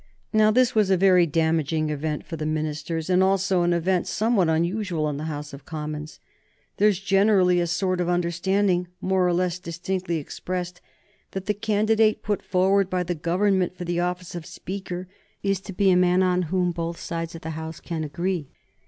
Now this was a very damaging event for the ministers, and also an event somewhat unusual in the House of Commons. There is generally a sort of understanding, more or less distinctly expressed, that the candidate put forward by the Government for the office of Speaker is to be a man on whom both sides of the House can agree.